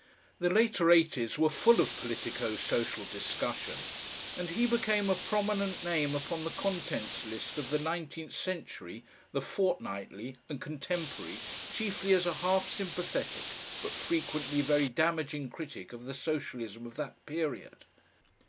The later eighties were full of politico social discussion, and he became a prominent name upon the contents list of the NINETEENTH CENTURY, the FORTNIGHTLY and CONTEMPORARY chiefly as a half sympathetic but frequently very damaging critic of the socialism of that period.